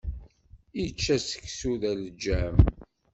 Ičča seksu d aleǧǧam.